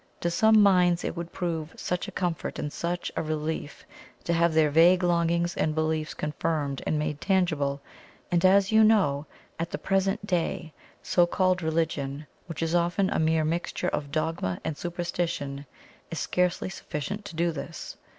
... To some minds it would prove such a comfort and such, a relief to have their vague longings and beliefs confirmed and made tangible, and, as you know, at the present day so called Religion, which is often a mere mixture of dogma and superstition, is scarcely sufficient to do this.